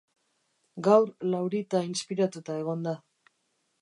Gaur Laurita inspiratuta egon da.